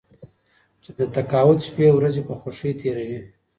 چې د تقاعد شپې ورځې په خوښۍ تېروي.